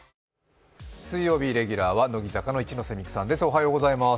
水曜日レギュラーは乃木坂の一ノ瀬美空さんです。